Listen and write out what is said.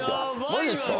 マジすか？